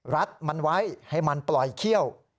รัดมันไว้ให้มันปล่อยเขี้ยว